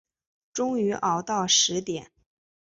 终于熬到十点